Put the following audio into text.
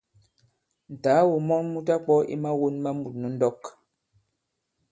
Ǹtàagò mɔn mu ta-kwɔ̄ i mawōn ma mût nu ndɔk.